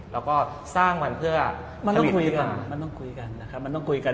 แล้วก็สร้างมันเพื่อมันต้องคุยกัน